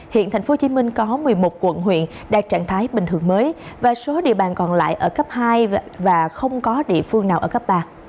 hiện tp hcm có một mươi một quận huyện đạt trạng thái bình thường mới và số địa bàn còn lại ở cấp hai và không có địa phương nào ở cấp ba